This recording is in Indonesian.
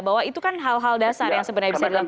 bahwa itu kan hal hal dasar yang sebenarnya bisa dilakukan